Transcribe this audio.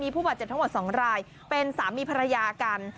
ผู้บาดเจ็บทั้งหมด๒รายเป็นสามีภรรยากัน